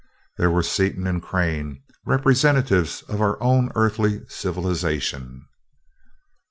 There were Seaton and Crane, representatives of our own Earthly civilization.